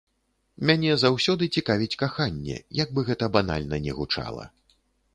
Мяне заўсёды цікавіць каханне, як бы гэта банальна не гучала.